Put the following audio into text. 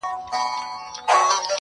« اتفاق په پښتانه کي پیدا نه سو »-